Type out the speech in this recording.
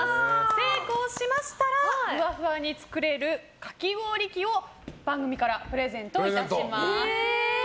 成功しましたらふわふわに作れるかき氷器を番組からプレゼントいたします。